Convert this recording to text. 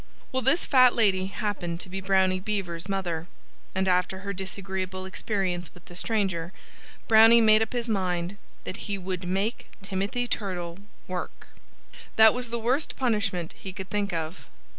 Well, this fat lady happened to be Brownie Beaver's mother. And after her disagreeable experience with the stranger, Brownie made up his mind that he would make Timothy Turtle work. That was the worst punishment he could think of.